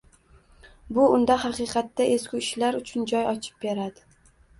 Bu unda haqiqatda ezgu ishlar uchun joy ochib beradi